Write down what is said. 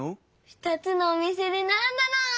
２つのおみせでならんだの！